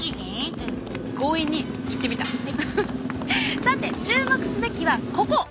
さて注目すべきはここ。